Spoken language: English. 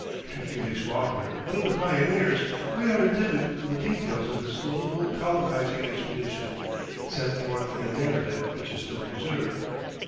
To Felix Walker, one of the pioneers, we are indebted for the details of this notable colonizing expedition, set forth in a narrative which is still preserved.